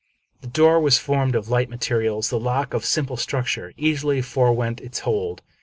The door was formed of light materials. The lock, of simple structure, easily forewent its hold.